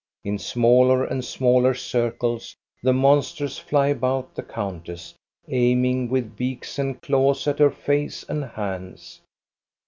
In smaller and smaller circles the monsters fly about the countess, aiming with beaks and claws at her face and hands.